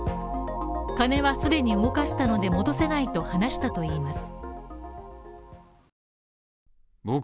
お金は既に動かしたので戻せないと話したといいます。